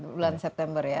bulan september ya